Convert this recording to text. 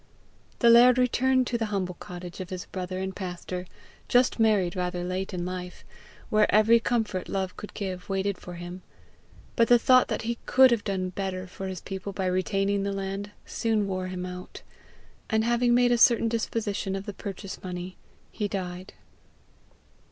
The laird retired to the humble cottage of his brother the pastor, just married rather late in life where every comfort love could give waited for him; but the thought that he could have done better for his people by retaining the land soon wore him out; and having made a certain disposition of the purchase money, he died.